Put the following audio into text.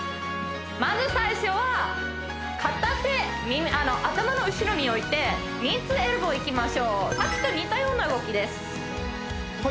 まず最初は片手頭の後ろに置いてニートゥエルボーいきましょうさっきと似たような動きです